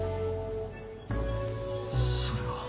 それは。